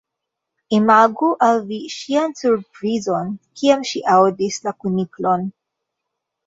Imagu al vi ŝian surprizon kiam ŝi aŭdis la kuniklon.